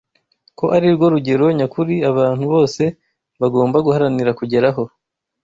ko ari rwo rugero nyakuri abantu bose bagomba guharanira kugeraho